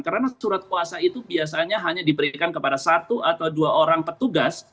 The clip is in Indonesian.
karena surat kuasa itu biasanya hanya diberikan kepada satu atau dua orang petugas